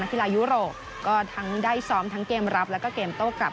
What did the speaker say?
นักกีฬายุโรปก็ทั้งได้ซ้อมทางเกมรับและเกมโต๊ะกลับ